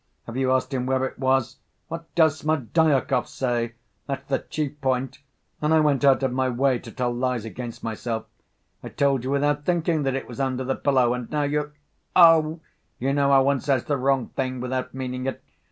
Have you asked him where it was? What does Smerdyakov say? that's the chief point.... And I went out of my way to tell lies against myself.... I told you without thinking that it was under the pillow, and now you— Oh, you know how one says the wrong thing, without meaning it.